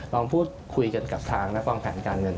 ลองพูดคุยกันกับทางนักวางแผนการเงิน